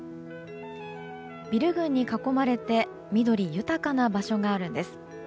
ビル群に囲まれて緑豊かな場所があるんです。